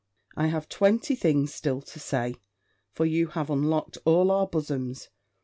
I have twenty things still to say; for you have unlocked all our bosoms.